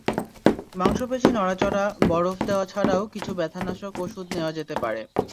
মাংসপেশি নড়াচড়া, বরফ দেওয়া ছাড়াও কিছু ব্যথানাশক ওষুধ নেওয়া যেতে পারে।